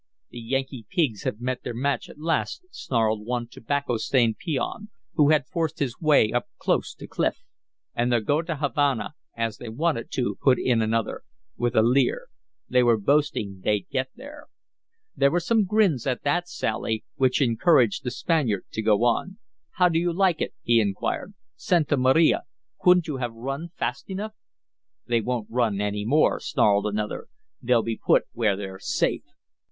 "The Yankee pigs have met their match at last," snarled one tobacco stained peon, who had forced his way up close to Clif. "And they'll go to Havana as they wanted to," put in another, with a leer. "They were boasting they'd get there." There were some grins at that sally, which encouraged the Spaniard to go on. "How do you like it?" he inquired. "Santa Maria, couldn't you have run fast enough?" "They won't run any more," snarled another. "They'll be put where they're safe."